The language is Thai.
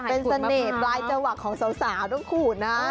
เป็นเสน่ห์ปลายจะหวักของสาวต้องขูดนะ